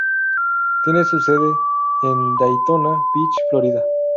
Tiene su sede en Daytona Beach, Florida.